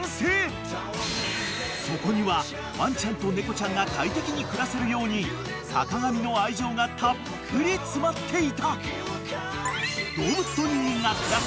［そこにはワンちゃんと猫ちゃんが快適に暮らせるように坂上の愛情がたっぷり詰まっていた］